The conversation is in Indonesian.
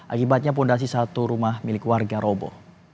akibatnya fondasi satu rumah milik warga robo